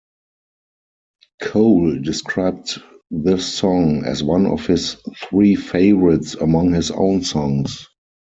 Cole described this song as one of his three favorites among his own songs.